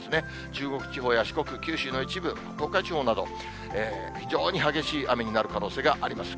中国地方や四国、九州の一部、東海地方など、非常に激しい雨になる可能性があります。